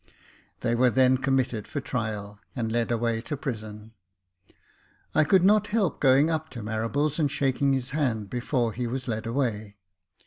They were then committed for trial, and led away to prison. I could not help going up to Marables and shaking his hand, before he was led away.